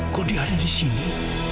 kok dia ada disini